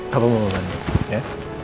papa mau bantu ya